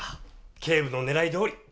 警部の狙いどおり！